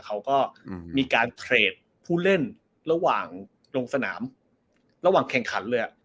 เขาก็มีการเทรดผู้เล่นระหว่างลงสนามระหว่างแข่งขันเลยอ่ะ